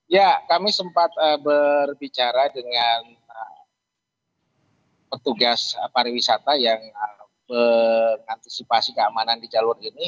ya kami sempat berbicara dengan petugas pariwisata yang mengantisipasi keamanan di jalur ini